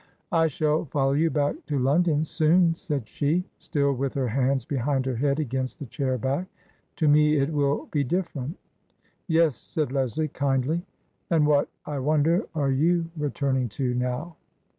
" I shall follow you back to London soon," said she, still with her hands behind her head against the chair back. " To me it will be different." " Yes," said Leslie, kindly. " And what, I wonder, are you returning to now